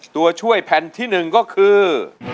ตัวช่วยแผ่นที่๑ก็คือ